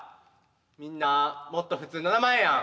みんなもっと普通の名前やん。